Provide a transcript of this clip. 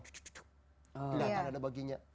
tidak ada baginya